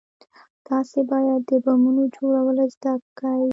تاسې بايد د بمونو جوړول زده كئ.